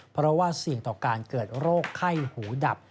เพราะว่าเสี่ยงต่อการเกิดโรคไข้หูดับ